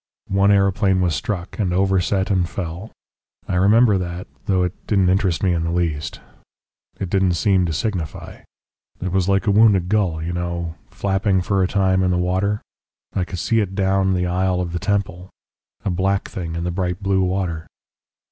One aeroplane was struck, and overset and fell. I remember that though it didn't interest me in the least. It didn't seem to signify. It was like a wounded gull, you know flapping for a time in the water. I could see it down the aisle of the temple a black thing in the bright blue water.